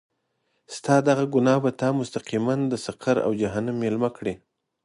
ستا دغه ګناه به تا مستقیماً د سقر او جهنم میلمه کړي.